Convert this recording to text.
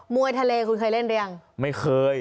วยทะเลคุณเคยเล่นหรือยังไม่เคย